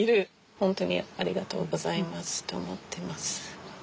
本当にありがとうございますと思ってます。